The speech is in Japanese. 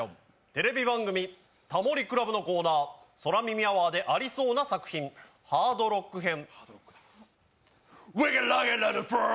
テレビ番組「タモリ倶楽部」のコーナー、「空耳アワー」でありそうな作品ハードロック編。